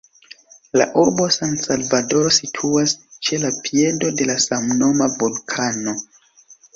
La urbo San-Salvadoro situas ĉe la piedo de la samnoma vulkano.